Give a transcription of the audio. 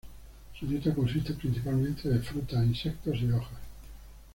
Su dieta consiste principalmente de frutas, insectos y hojas.